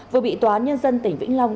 vừa bị tòa nhân dân tỉnh vĩnh long